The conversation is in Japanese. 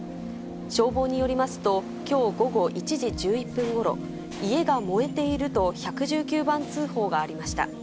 消防によりますと、きょう午後１時１１分ごろ、家が燃えていると１１９番通報がありました。